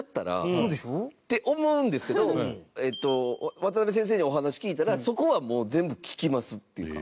高橋：って思うんですけど渡辺先生にお話聞いたらそこは全部、聞きますって。